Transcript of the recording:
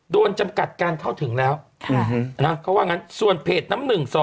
จำกัดการเข้าถึงแล้วเขาว่างั้นส่วนเพจน้ำ๑๒